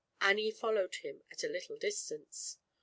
Annie followed him at little distance.